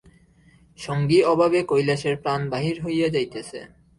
সঙ্গী অভাবে কৈলাসের প্রাণ বাহির হইয়া যাইতেছে।